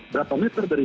berapa meter dari